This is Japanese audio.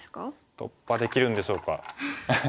突破できるんでしょうか？